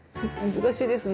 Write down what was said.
難しいですね。